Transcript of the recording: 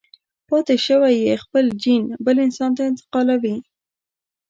پاتې شوی يې خپل جېن بل نسل ته انتقالوي.